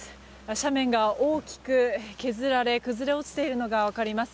斜面が大きく削られ崩れ落ちているのが分かります。